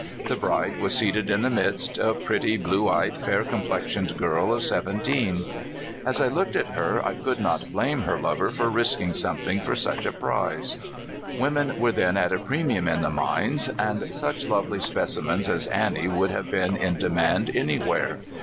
The bride was seated in the midst, a pretty, blue eyed, fair complexioned girl of seventeen. As I looked at her I could not blame her lover for risking something for such a prize. Women were then at a premium in the mines, and such lovely speci mens as Annie would have been in demand an}^ where.